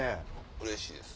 うれしいです。